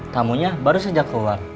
tamunya baru saja keluar